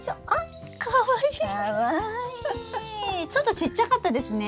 ちょっとちっちゃかったですね。